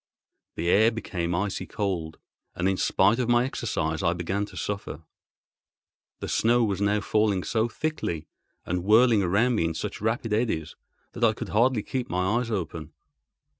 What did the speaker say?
The air became icy cold, and in spite of my exercise I began to suffer. The snow was now falling so thickly and whirling around me in such rapid eddies that I could hardly keep my eyes open.